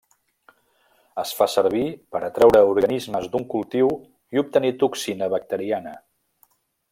Es fa servir per a treure organismes d'un cultiu i obtenir toxina bacteriana.